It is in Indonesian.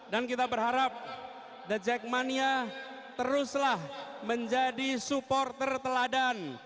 dan kita berharap dajak mania teruslah menjadi supporter teladan